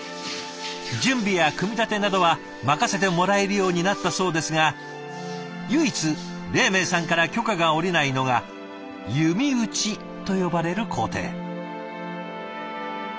準備や組み立てなどは任せてもらえるようになったそうですが唯一黎明さんから許可が下りないのが弓打ちと呼ばれる工程。